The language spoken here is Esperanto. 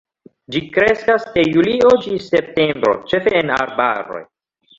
Ĝi kreskas de julio ĝis septembro, ĉefe en arbaroj.